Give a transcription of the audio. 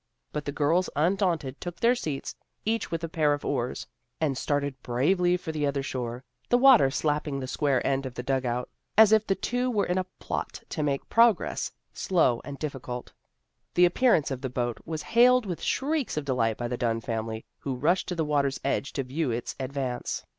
But the girls undaunted, took their seats, each with a pair of oars, and started bravely for the other shore, the water AN EVENTFUL PICNIC 325 slapping the square end of the dug out, as if the two were in a plot to make progress slow and difficult. The appearance of the boat was hailed with shrieks of delight by the Dunn family, who rushed to the water's edge to view its advance.